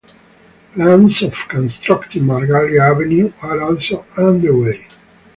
Plans of constructing Margalla Avenue are also underway.